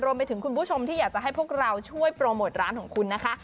คุณผู้ชมที่อยากจะให้พวกเราช่วยโปรโมทร้านของคุณนะคะ